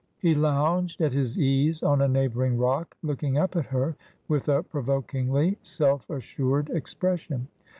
He lounged at his ease on a neighbouring rock, looking up at her with a provokingly self assured expression.